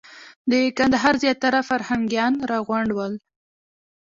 د کندهار زیاتره فرهنګیان راغونډ ول.